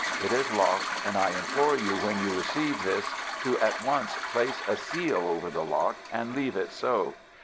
It is locked, and I implore you when you receive this to at once place a seal over the lock, and leave it so.